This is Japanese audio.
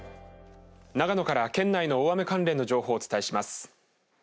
長野から県内の大雨関連の情報をお伝えします。